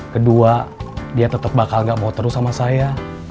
kedua dia tetap bakal gak mau terus sama saya